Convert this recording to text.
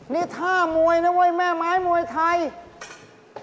นี่ท่ามวยนะเว้ยแม่ไม้มวยไทย